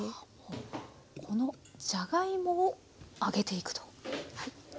このじゃがいもを揚げていくと。